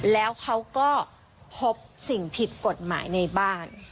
แล้วเขาก็พบสิ่งผิดกฎหมายในบ้าน